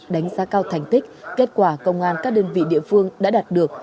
đánh giá cao thành tích kết quả công an các đơn vị địa phương đã đạt được